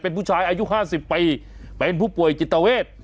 เป็นผู้ชายอายุ๕๐ปีเป็นผู้ป่วยจิตเวท